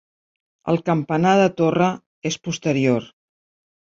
El campanar de torre és posterior.